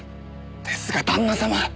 ですが旦那様！